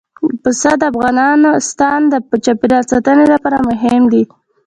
پسه د افغانستان د چاپیریال ساتنې لپاره مهم دي.